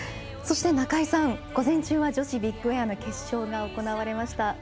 そして中井さん、午前中は女子ビッグエアの決勝が行われました。